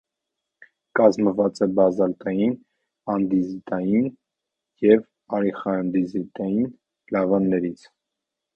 Կազմըված է բազալտային, անդեզիտային և արախիանդեզիտային լավաներից։